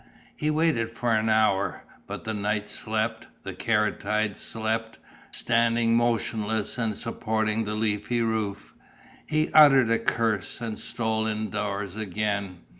He waited for an hour. But the night slept, the caryatides slept, standing motionless and supporting the leafy roof. He uttered a curse and stole indoors again.